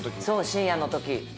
そう深夜のとき。